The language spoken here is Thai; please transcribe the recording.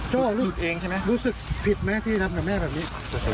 เจ้ารู้สึกผิดมั้ยที่เนิ่มกับแม่แบบนี้